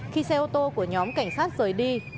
khi xe ô tô của nhóm cảnh sát rời đi